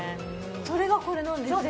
それがこれなんですか？